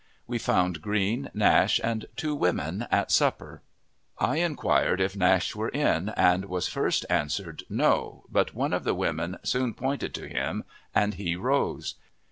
We found Green, Nash, and two women, at supper. I inquired if Nash were in, and was first answered "No," but one of the women soon pointed to him, and he rose.